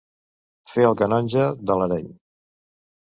Fer el canonge de l'Areny.